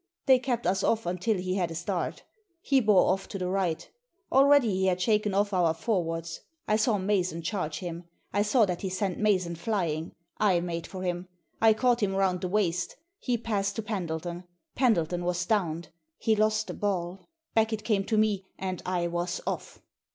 They kept us off until he had a start He bore off to the right Already he had shaken off our forwards. I saw Mason charge him. I saw that he sent Mason flying. I made for him. I caught him round the waist He passed to Pendle ton. Pendleton was downed. He lost the ball Back it came to me, and I was off!